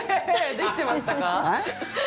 できてました？